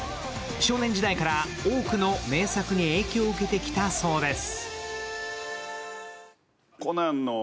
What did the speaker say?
少年時代から多くの名作に影響を受けてきたそうです。